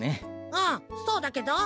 ああそうだけど？